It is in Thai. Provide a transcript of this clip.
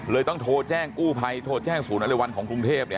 ต้องโทรแจ้งกู้ภัยโทรแจ้งศูนย์อเรวันของกรุงเทพ